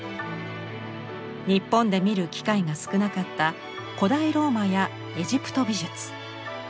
日本で見る機会が少なかった古代ローマやエジプト美術